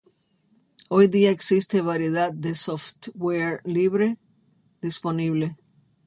Hoy día existe variedad de software libre disponible.